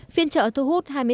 phiên trợ thu hút